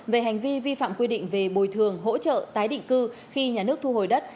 về hành vi vi phạm quy định về bồi thường hỗ trợ tái định cư khi nhà nước thu hồi đất